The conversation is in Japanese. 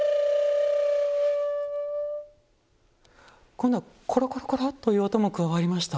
今度は「コロコロコロ」っていう音も加わりました。